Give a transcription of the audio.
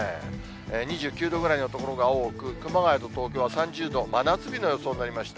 ２９度ぐらいの所が多く、熊谷と東京は３０度、真夏日の予想になりました。